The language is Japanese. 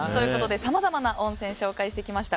さまざまな温泉紹介してきました。